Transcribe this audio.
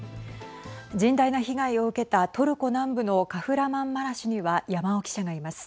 甚大な被害を受けたトルコ南部のカフラマンマラシュには山尾記者がいます。